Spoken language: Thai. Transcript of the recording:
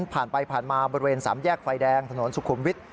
ผ่านไปผ่านมาบริเวณสามแยกไฟแดงถนนสุขุมวิทย